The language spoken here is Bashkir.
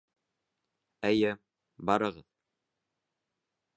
Эйе, барығыҙ.